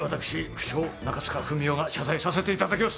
不肖中塚文雄が謝罪させていただきます